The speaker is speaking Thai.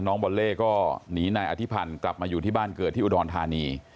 บอลเล่ก็หนีนายอธิพันธ์กลับมาอยู่ที่บ้านเกิดที่อุดรธานี